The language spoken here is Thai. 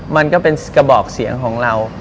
มันก็เป็นกระบอกเสียงของเรา